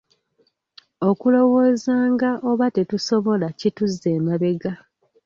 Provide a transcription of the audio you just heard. Okulowoozanga oba tetusobola kituzza emabega.